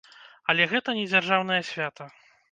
Але гэта не дзяржаўнае свята.